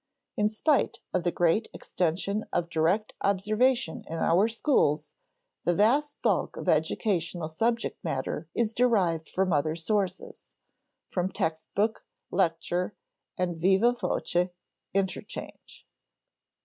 In spite of the great extension of direct observation in our schools, the vast bulk of educational subject matter is derived from other sources from text book, lecture, and viva voce interchange.